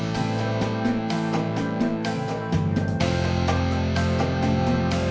saat saat kamu median p palsu ada di kaki